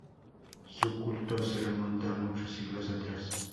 Su culto se remonta a muchos siglos atrás.